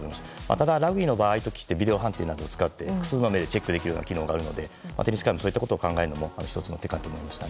ただ、ラグビーの場合ビデオ判定などを使って複数の目でチェックできる機能があるのでそうしたことを考えるのも１つの手かなと思いました。